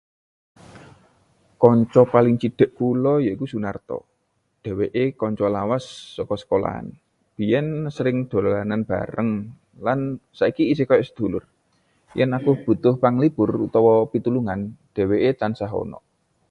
Kanca paling cedhak kula yaiku Sunarto. Dhèwèké kanca lawas saka sekolahan, biyèn asring dolan bareng lan saiki isih kaya sedulur. Yen aku butuh panglipur utawa pitulungan, dhèwèké tansah ana.